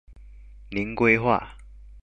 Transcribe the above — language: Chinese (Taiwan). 零規則